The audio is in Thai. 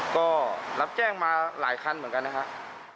ก็รับแจ้งมาหลายคันเหมือนกันนะครับ